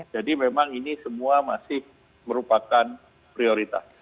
jadi memang ini semua masih merupakan prioritas